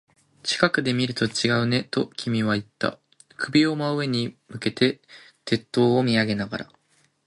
近くで見ると違うね、と君は言った。首を真上に向けて、鉄塔を見上げながら。